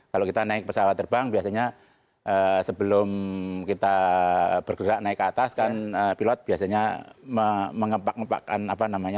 kalau kita naik pesawat terbang biasanya sebelum kita bergerak naik ke atas kan pilot biasanya mengepak ngepakkan apa namanya